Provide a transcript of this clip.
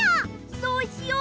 そうしよう！